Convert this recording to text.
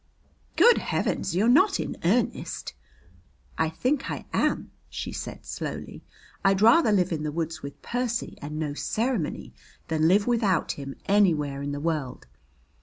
"Good Heavens! You're not in earnest?" "I think I am," she said slowly. "I'd rather live in the woods with Percy and no ceremony than live without him anywhere in the world.